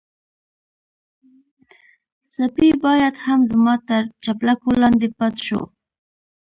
سپی بيا هم زما تر چپلکو لاندې پټ شو.